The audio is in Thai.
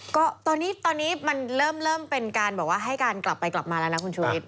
ก็ตอนนี้มันเริ่มเป็นการบอกว่าให้การกลับไปกลับมาแล้วนะคุณชุวิต